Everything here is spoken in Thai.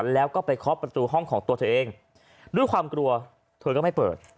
แล้วก็ไปเคาะประตูห้องของตัวเธอเองด้วยความกลัวเธอก็ไม่เปิด